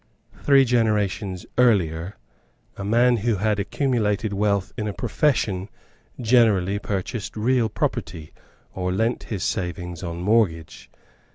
Three generations earlier, a man who had accumulated wealth in a profession generally purchased real property or lent his savings on mortgage.